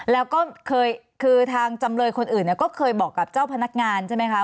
แล้วก็เคยคือทางจำเลยคนอื่นก็เคยบอกกับเจ้าพนักงานใช่ไหมคะ